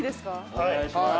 ・お願いします！